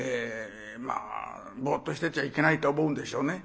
まあぼうっとしてちゃいけないと思うんでしょうね。